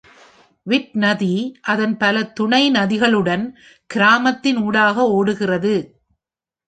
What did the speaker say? விட் நதி அதன் பல துணை நதிகளுடன் கிராமத்தின் ஊடாக ஓடுகிறது.